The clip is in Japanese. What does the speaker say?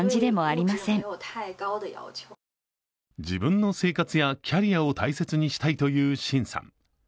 自分の生活やキャリアを大切にしたいという秦さん。